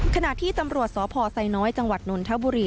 ขณะที่ตำรวจสพไซน้อยจังหวัดนนทบุรี